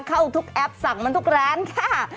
เข้าทุกแอปสั่งมันทุกร้านค่ะ